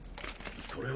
それは。